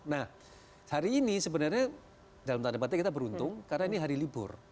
nah hari ini sebenarnya dalam tanda petik kita beruntung karena ini hari libur